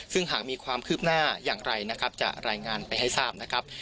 ซึ่งหากมีความคืบหน้าอย่างไรนะครับจะรายงานไปให้ทราบนะครับ